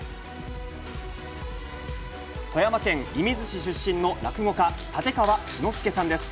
富山県射水市出身の落語家、立川志の輔さんです。